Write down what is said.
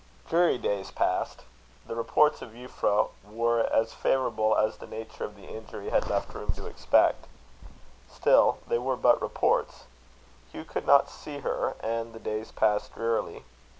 Dreary days passed. The reports of Euphra were as favourable as the nature of the injury had left room to expect. Still they were but reports: Hugh could not see her, and the days passed drearily.